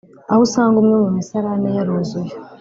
aho usanga imwe mu misarane yaruzuye